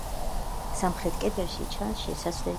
სამხრეთ კედელში ჩანს შესასვლელის კვალი.